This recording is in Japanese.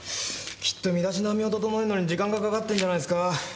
きっと身だしなみを整えるのに時間がかかってるんじゃないですか。